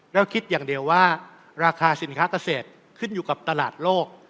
แล้วคิดอย่างเดียวว่าราคาสินค้าเกษตรขึ้นอยู่กับตลาดโลก